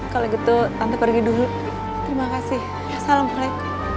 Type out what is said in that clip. kalau gitu tante pergi dulu terima kasih assalamualaikum